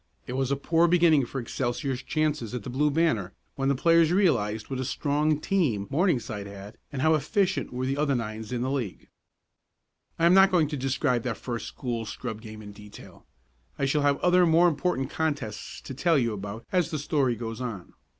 It was a poor beginning for Excelsior's chances at the Blue Banner when the players realized what a strong team Morningside had, and how efficient were the other nines in the league. I am not going to describe that first school scrub game in detail. I shall have other more important contests to tell you about, as the story goes on.